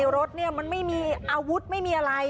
รถมันไม่มีอาวุธไม่มีอะไร